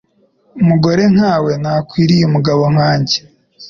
Umugore nkawe ntakwiriye umugabo nkanjye.